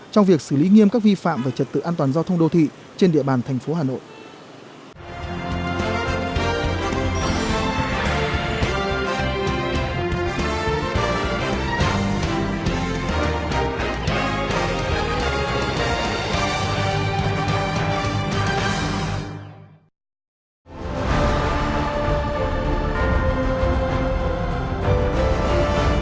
trong việc xử lý nghiêm các vi phạm về trật tự an toàn giao thông đô thị trên địa bàn thành phố hà nội